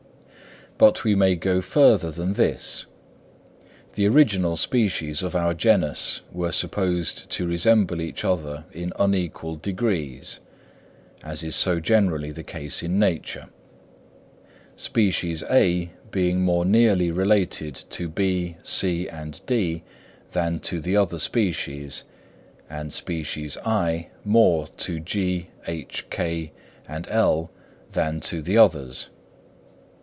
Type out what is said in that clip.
But we may go further than this. The original species of our genus were supposed to resemble each other in unequal degrees, as is so generally the case in nature; species (A) being more nearly related to B, C, and D than to the other species; and species (I) more to G, H, K, L, than to the others.